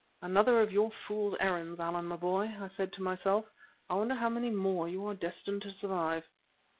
Another of your fool's errands, Allan my boy, I said to myself. I wonder how many more you are destined to survive.